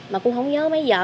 mà cũng không nhớ mấy giờ